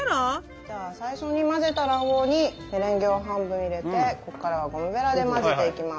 じゃあ最初に混ぜた卵黄にメレンゲを半分入れてここからはゴムベラで混ぜていきます。